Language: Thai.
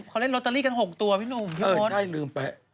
เขาเล่นลอตเตอรี่กัน๖ตัวพี่หนุ่มพี่เบิร์ตใช่ลืมไป